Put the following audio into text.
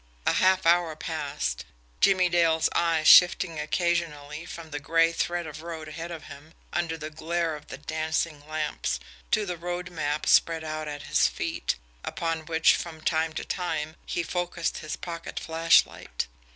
A half hour passed Jimmie Dale's eyes shifting occasionally from the gray thread of road ahead of him under the glare of the dancing lamps, to the road map spread out at his feet, upon which, from time to time, he focused his pocket flashlight.